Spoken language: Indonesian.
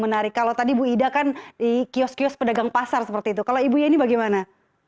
menarik kalau tadi bu ida kan di kios kios pedagang pasar seperti itu kalau ibu yeni bagaimana